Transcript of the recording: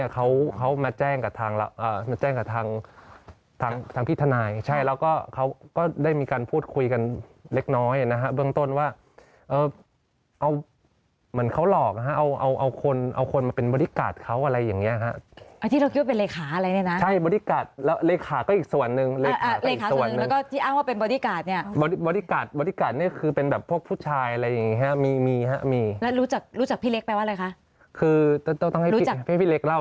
เบื้องต้นว่าเอาเหมือนเขาหลอกนะฮะเอาคนมาเป็นบอดี้การ์ดเขาอะไรอย่างนี้นะฮะที่เราคิดว่าเป็นเลขาอะไรเนี่ยนะใช่บอดี้การ์ดแล้วเลขาก็อีกส่วนหนึ่งเลขาก็อีกส่วนหนึ่งแล้วก็ที่อ้างว่าเป็นบอดี้การ์ดเนี่ยบอดี้การ์ดเนี่ยคือเป็นแบบพวกผู้ชายอะไรอย่างนี้มีครับมีแล้วรู้จักพี่เล็กแปลว่าอะไรคะคือต้องให้พี่เล็กเล่า